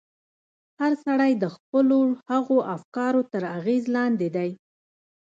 هر سړی د خپلو هغو افکارو تر اغېز لاندې دی.